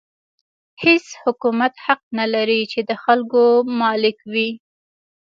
هېڅ حکومت حق نه لري چې د خلکو مالک وي.